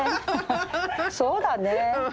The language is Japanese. そうだねえ。